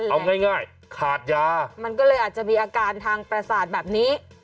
เอาง่ายขาดยามันก็เลยอาจจะมีอาการทางประสาทแบบนี้